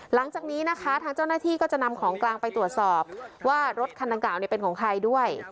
หลังจากนี้นะคะทางเจ้าหน้าที่ก็จะนำของกลางไปตรวจสอบว่ารถคันดังกล่าวเป็นของใครด้วย